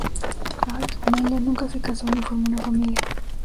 A. J. Mela nunca se casó ni formó una familia.